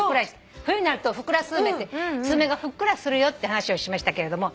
冬になるとふくらすずめってスズメがふっくらするよって話をしましたけれども。